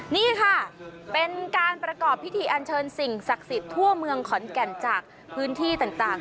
นี่ค่ะเป็นการประกอบพิธีอันเชิญสิ่งศักดิ์สิทธิ์ทั่วเมืองขอนแก่นจากพื้นที่ต่าง